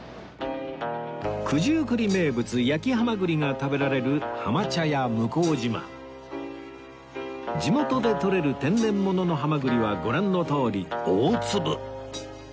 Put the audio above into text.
九十九里名物焼きハマグリが食べられる地元でとれる天然物のハマグリはご覧のとおり大粒！